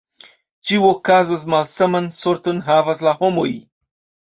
Ĉio okazas, malsaman sorton havas la homoj!